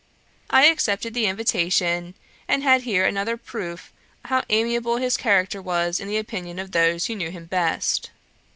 I accepted of the invitation, and had here another proof how amiable his character was in the opinion of those who knew him best.